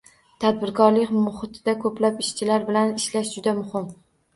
Tadbirkorlik muhitida koʻplab ishchilar bilan ishlash juda muhim.